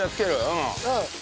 うん。